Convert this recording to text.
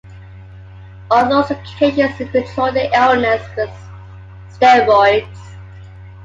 On those occasions, he controls the illness with steroids.